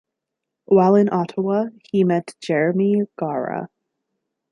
While in Ottawa he met Jeremy Gara.